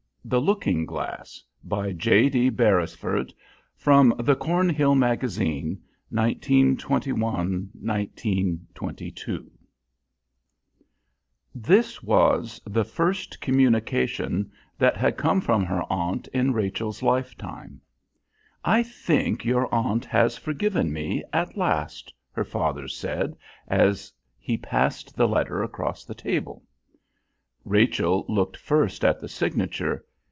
THE LOOKING GLASS By J.D. BERESFORD (From The Cornhill Magazine) 1921, 1922 This was the first communication that had come from her aunt in Rachel's lifetime. "I think your aunt has forgiven me, at last," her father said as he passed the letter across the table. Rachel looked first at the signature.